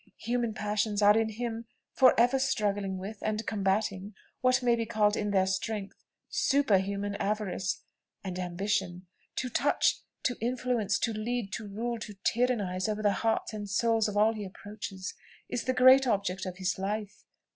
Human passions are in him for ever struggling with, and combating, what may be called, in their strength, superhuman avarice and ambition. "To touch, to influence, to lead, to rule, to tyrannise over the hearts and souls of all he approaches, is the great object of his life.